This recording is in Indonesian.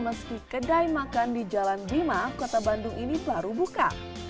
meski kedai makan di jalan bima kota bandung ini baru buka